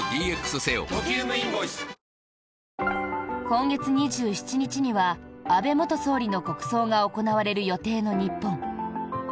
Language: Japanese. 今月２７日には安倍元総理の国葬が行われる予定の日本。